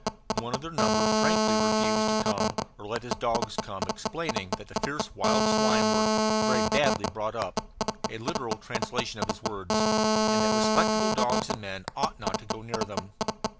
One of their number frankly refused to come or to let his dogs come, explaining that the fierce wild swine were "very badly brought up" (a literal translation of his words) and that respectable dogs and men ought not to go near them.